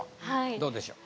どうでしょう？